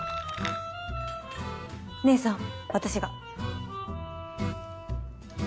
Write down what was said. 姐さん私が。